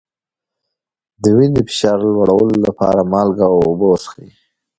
د وینې فشار لوړولو لپاره مالګه او اوبه وڅښئ